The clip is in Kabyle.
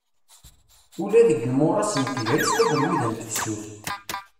Ula deg yimuras n tegrest akked wid n tefsut.